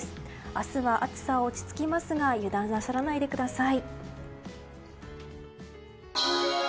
明日は暑さが落ち着きますが油断なさらないでください。